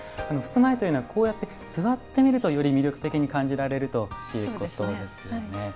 襖絵というのはこうやって座って見るとより魅力的に感じられるということですよね。